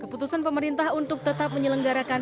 keputusan pemerintah untuk tetap menyelenggarakan